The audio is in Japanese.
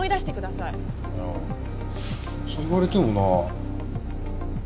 いやそう言われてもな。